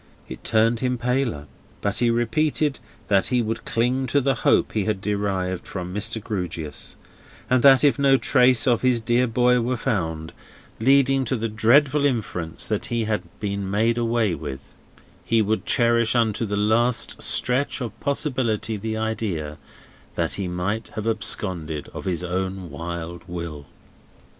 It turned him paler; but he repeated that he would cling to the hope he had derived from Mr. Grewgious; and that if no trace of his dear boy were found, leading to the dreadful inference that he had been made away with, he would cherish unto the last stretch of possibility the idea, that he might have absconded of his own wild will.